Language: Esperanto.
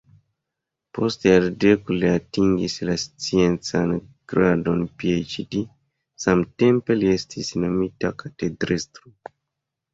Post jardeko li atingis la sciencan gradon PhD, samtempe li estis nomita katedrestro.